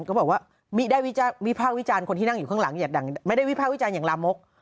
ก็บอกว่าได้วิภาควิจารณ์คนที่นั่งอยู่ข้างหลังอย่าดังไม่ได้วิภาควิจารณ์อย่างลามก